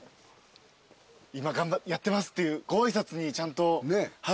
今やってますっていうご挨拶にちゃんと今回は。